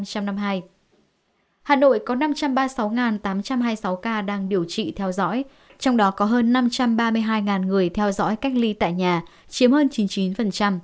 hà nội có năm trăm ba mươi sáu tám trăm hai mươi sáu ca đang điều trị theo dõi trong đó có hơn năm trăm ba mươi hai người theo dõi cách ly tại nhà chiếm hơn chín mươi chín